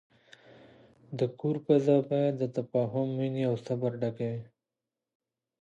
د کور فضا باید د تفاهم، مینې، او صبر ډکه وي.